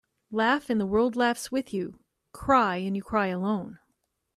Laugh and the world laughs with you. Cry and you cry alone.